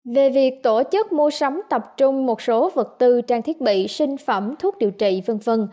về việc tổ chức mua sắm tập trung một số vật tư trang thiết bị sinh phẩm thuốc điều trị v v